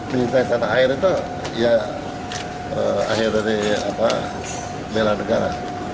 mencintai tanah air itu ya akhir dari bela negara